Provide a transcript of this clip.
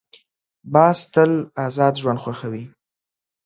باز تل آزاد ژوند خوښوي